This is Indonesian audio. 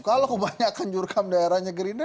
kalau kebanyakan jurkam daerahnya gerindra